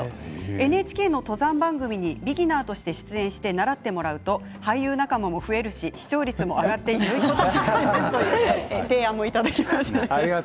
ＮＨＫの登山番組にビギナーとして出演して習ってもらうと俳優仲間も増えるし視聴率が上がるでしょうという提案もいただきました。